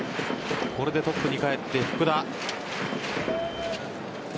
これでトップに返って福田。